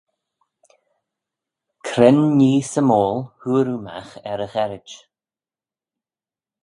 Cre'n nhee symoil hooar oo magh er y gherrid?